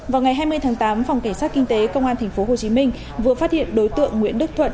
vào ngày hai mươi tháng tám phòng cảnh sát kinh tế công an tp hcm vừa phát hiện đối tượng nguyễn đức thuận